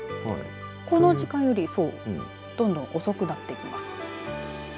この時間よりどんどん遅くなっています。